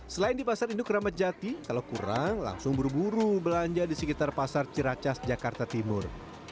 selain di pasar induk ramadjati kalau kurang langsung buru buru belanja di sekitar pasar ciracas jakarta timur